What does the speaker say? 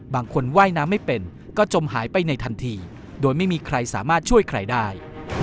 ว่ายน้ำไม่เป็นก็จมหายไปในทันทีโดยไม่มีใครสามารถช่วยใครได้